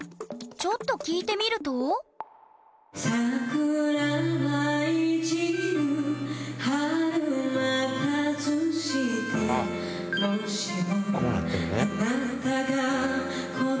ちょっと聴いてみるとあっこうなってるね。